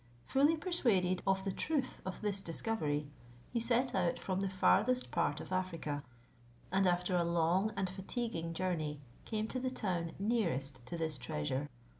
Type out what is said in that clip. Fully persuaded of the truth of this discovery, he set out from the farthest part of Africa; and after a long and fatiguing journey, came to the town nearest to this treasure.